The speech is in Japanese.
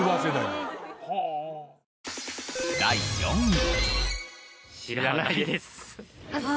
第４位。